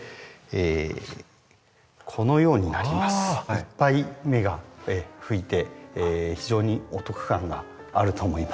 いっぱい芽が吹いて非常にお得感があると思います。